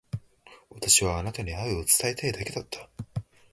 私はあなたに愛を伝えたいだけだった。